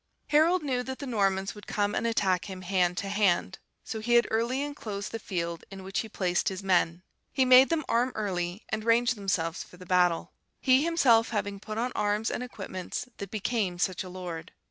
"Harold knew that the Normans would come and attack him hand to hand; so he had early enclosed the field in which he placed his men. He made them arm early, and range themselves for the battle; he himself having put on arms and equipments that became such a lord.